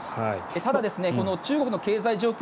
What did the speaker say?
ただ、中国の経済状況